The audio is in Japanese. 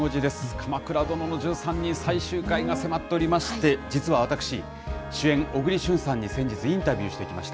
鎌倉殿の１３人、最終回が迫っておりまして、実はわたくし、主演、小栗旬さんに先日、インタビューしてきました。